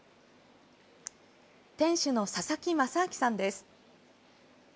店主の佐々木政明さんです。